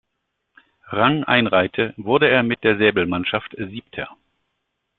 Rang einreihte, wurde er mit der Säbelmannschaft Siebter.